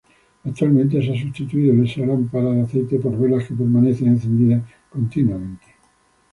Actualmente se ha sustituido esta lámpara de aceite por velas que permanecen encendidas continuamente.